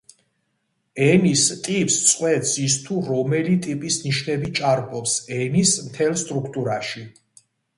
ენის ტიპს წყვეტს ის თუ რომელი ტიპის ნიშნები ჭარბობს ენის მთელ სტრუქტურაში.